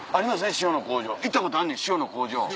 塩の工場行ったことあんねん塩の工場。